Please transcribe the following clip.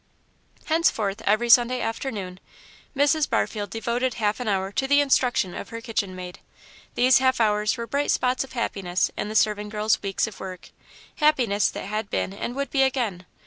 Henceforth, every Sunday afternoon, Mrs. Barfield devoted half an hour to the instruction of her kitchen maid. These half hours were bright spots of happiness in the serving girl's weeks of work happiness that had been and would be again.